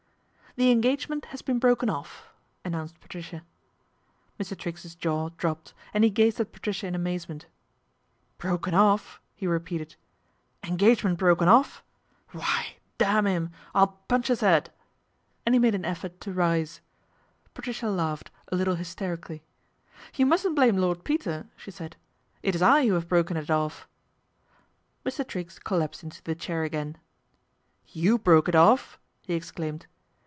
"The engagement has been broken off," an : nounced Patricia. Mr. Triggs's jaw dropped, and he gazed at Patricia in amazement. " Broken off," he re peated. " Engagement broken off. Why, damn 'im, I'll punch 'is 'ead," and he made an effort to rise. MR. TRIGGS TAKES TEA 207 Patricia laughed, a little hysterically. " You mustn't blame Lord Peter," she said. " It is I who have broken it off." Mr. Triggs collapsed into the chair again r You broke it off," he exclaimed.